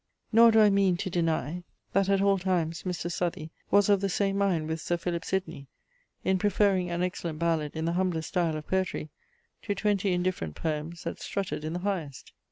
Nor do I mean to deny, that at all times Mr. Southey was of the same mind with Sir Philip Sidney in preferring an excellent ballad in the humblest style of poetry to twenty indifferent poems that strutted in the highest.